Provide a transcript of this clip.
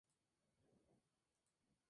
Lo que ofrece un ritmo rápido en las partidas.